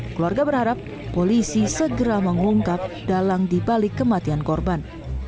keluarga berharap polisi segera mengungkap dalang dibalik kematian korban